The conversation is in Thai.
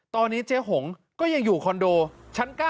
ตอนนี้เจ๊หงก็ยังอยู่คอนโดชั้น๙